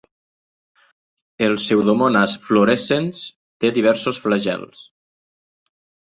El "pseudomonas fluorescens" té diversos flagels.